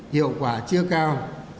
hiệu quả chưa cao